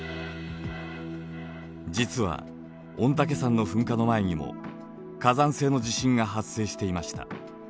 実は御嶽山の噴火の前にも火山性の地震が発生していました。